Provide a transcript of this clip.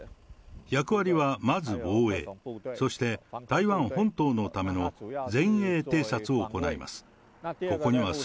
役割はまず防衛、そして台湾本島のための前衛偵察を行います。